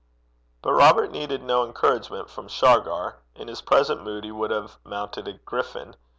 But Robert needed no encouragement from Shargar. In his present mood he would have mounted a griffin.